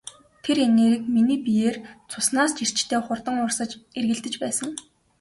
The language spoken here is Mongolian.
Тэр энерги миний биеэр цуснаас ч эрчтэй хурдан урсан эргэлдэж байсан.